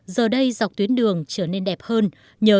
giờ đây dọc tuyến đường trở nên đẹp hơn